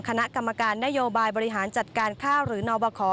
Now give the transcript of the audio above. คณะกรรมการนโยบายบริหารจัดการข้าวหรือนบค